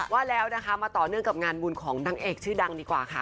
ว่าแล้วนะคะมาต่อเนื่องกับงานบุญของนางเอกชื่อดังดีกว่าค่ะ